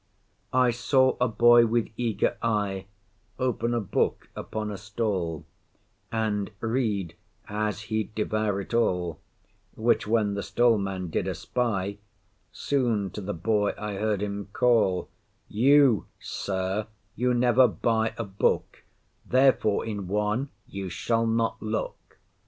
I saw a boy with eager eye Open a book upon a stall, And read, as he'd devour it all; Which when the stall man did espy, Soon to the boy I heard him call, "You, Sir, you never buy a book, Therefore in one you shall not look."